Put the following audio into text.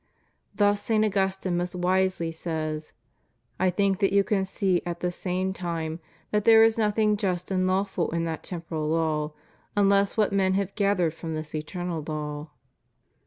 Thus St. Augustine most wisely says: " I think that you can see, at the same time, that there is nothing just and lawful in that temporal law, unless what men have gathered from this eternal law."